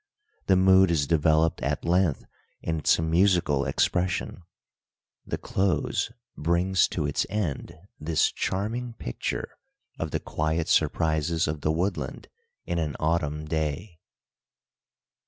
The mood is developed at length in its musical expression; the close "brings to its end this charming picture of the quiet surprises of the woodland in an autumn day."